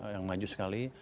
yang maju sekali